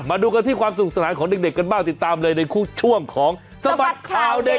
มาดูกันที่ความสุขสนานของเด็กกันบ้างติดตามเลยในคู่ช่วงของสบัดข่าวเด็ก